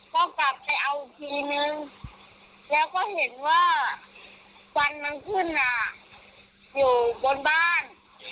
ก็กลับไปเอาอีกทีนึงแล้วก็เห็นว่าควันมันขึ้นอยู่บนบ้าน